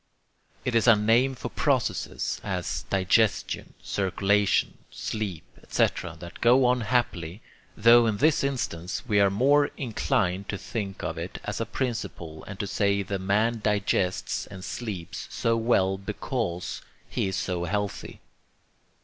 It is a name for processes, as digestion, circulation, sleep, etc., that go on happily, tho in this instance we are more inclined to think of it as a principle and to say the man digests and sleeps so well BECAUSE he is so healthy.